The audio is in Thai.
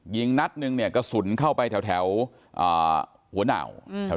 ยิงหนัดหนึ่งกระสุนเข้าไปแถวตาหัวหนาว